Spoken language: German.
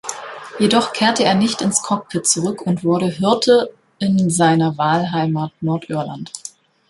Jedoch kehrte er nicht ins Cockpit zurück und wurde Hirte in seiner Wahlheimat Nordirland.